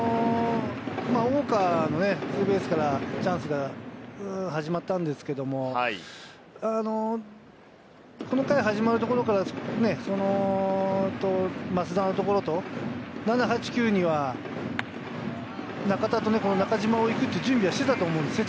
ウォーカーのツーベースからチャンスが始まったんですけれども、この回が始まるところから増田のところと、７、８、９には中田と中島が行くっていう準備はしてたと思うんですね。